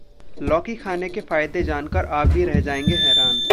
लौकी खाने के फायदे जानकर आप भी रह जाएंगे हैरान